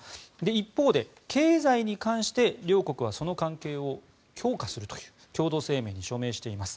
一方で、経済に関して両国はその関係を強化するという共同声明に署名しています。